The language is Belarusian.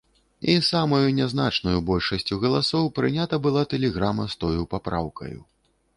І самаю нязначнаю большасцю галасоў прынята была тэлеграма з тою папраўкаю.